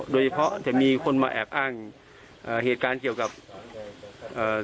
โดยเฉพาะจะมีคนมาแอบอ้างอ่าเหตุการณ์เกี่ยวกับเอ่อ